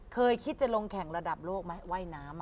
เคยคิดจะลงแข่งระดับโลกไหมว่ายน้ำ